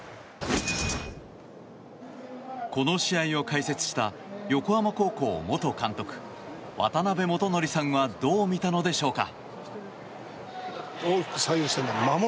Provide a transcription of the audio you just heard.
この試合を解説した横浜高校元監督渡辺元智さんはどう見たのでしょうか。